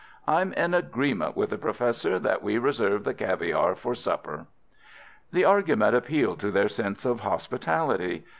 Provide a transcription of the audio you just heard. I'm in agreement with the Professor that we reserve the caviare for supper." The argument appealed to their sense of hospitality.